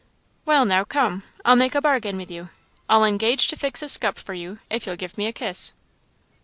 "Well now, come I'll make a bargain with you: I'll engage to fix up a scup for you, if you'll give me a kiss."